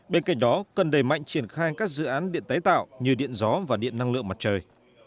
bên cạnh đó cần đẩy mạnh triển khai các dự án điện tái tạo như điện gió và điện năng lượng mặt trời